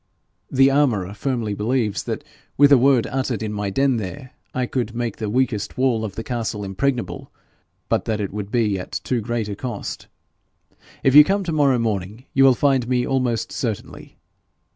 The armourer firmly believes that with a word uttered in my den there, I could make the weakest wall of the castle impregnable, but that it would be at too great a cost. If you come to morrow morning you will find me almost certainly.